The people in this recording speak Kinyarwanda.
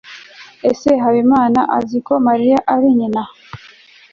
ese habimanaasi azi ko mariya ari nyina